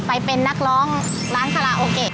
ไปเป็นนักร้องร้านคาราโอเกะ